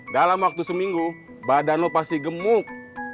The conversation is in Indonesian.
dalam waktu seminggu badan lo pasti gemuk